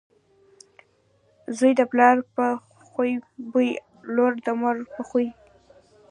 زوی دپلار په خوی بويه، لور دمور په خوی .